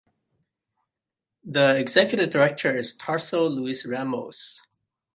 The Executive Director is Tarso Luis Ramos.